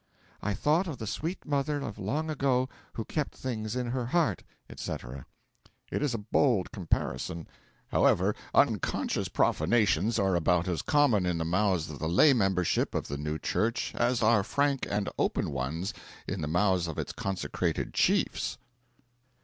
I thought of the sweet mother of long ago who kept things in her heart,' etc. It is a bold comparison; however, unconscious profanations are about as common in the mouths of the lay membership of the new Church as are frank and open ones in the mouths of its consecrated chiefs.